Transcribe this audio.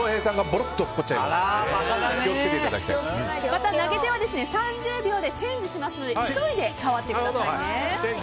また投げ手は３０秒でチェンジしますので急いで代わってくださいね。